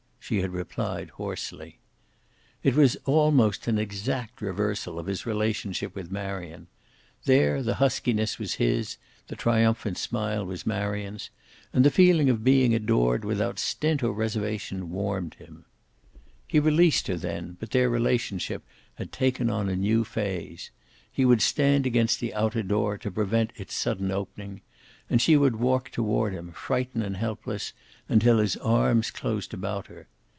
she had replied, hoarsely. It was almost an exact reversal of his relationship with Marion. There the huskiness was his, the triumphant smile was Marion's. And the feeling of being adored without stint or reservation warmed him. He released her then, but their relationship had taken on a new phase. He would stand against the outer door, to prevent its sudden opening. And she would walk toward him, frightened and helpless until his arms closed about her.